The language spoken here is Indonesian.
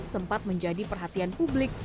sempat menjadi perhatian publik